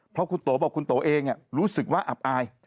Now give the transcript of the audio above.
เพราะคุณโตบอกคุณโตเองรู้สึกว่าอับอาย